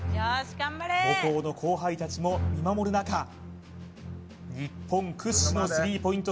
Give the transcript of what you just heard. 母校の後輩たちも見守る中日本屈指の３ポイント